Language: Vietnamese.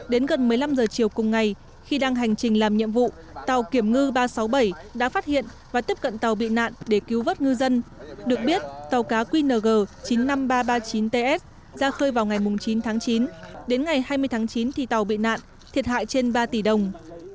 đến gần một mươi năm h chiều cùng ngày khi đang hành trình làm nhiệm vụ tàu kiểm ngư ba trăm sáu mươi bảy đã phát hiện và tiếp cận tàu bị nạn để cứu vớt ngư dân được biết tàu cá qng chín mươi năm nghìn ba trăm ba mươi chín ts ra khơi vào ngày chín tháng chín đến ngày hai mươi tháng chín thì tàu bị nạn thiệt hại trên ba tỷ đồng